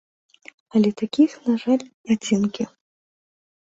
Але такіх, на жаль, адзінкі.